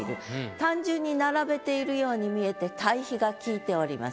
単純に並べているように見えて対比が効いております。